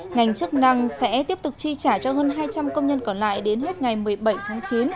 ngành chức năng sẽ tiếp tục chi trả cho hơn hai trăm linh công nhân còn lại đến hết ngày một mươi bảy tháng chín